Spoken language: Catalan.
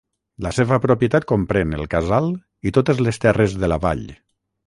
La seva propietat comprèn el casal i totes les terres de la vall.